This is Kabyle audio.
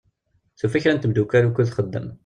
Tufa kra n temddukal ukkud txeddem.